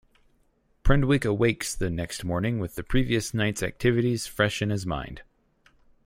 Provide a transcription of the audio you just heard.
Prendick awakes the next morning with the previous night's activities fresh in his mind.